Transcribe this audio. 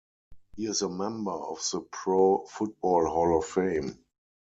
He is a member of the Pro Football Hall of Fame.